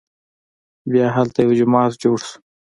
بیا هلته یو جومات جوړ شو.